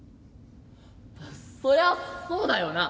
そりゃそうだよな。